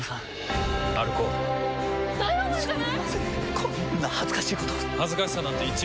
こんな恥ずかしいこと恥ずかしさなんて１ミリもない。